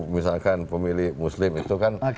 misalkan pemilih muslim itu kan